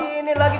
kau mau ngapain